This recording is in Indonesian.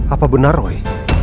apa benar roy